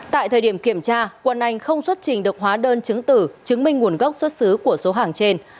tại thời điểm kiểm tra quân anh không xuất trình được hóa đơn chứng tử chứng minh nguồn gốc xuất xứ của số hàng trên